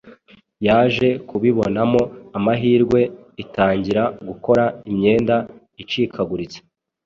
yaje kubibonamo amahirwe itangira gukora imyenda icikaguritse